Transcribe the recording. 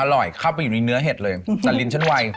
เข้าไปอยู่ในเนื้อเห็ดเลยแต่ลิ้นฉันไว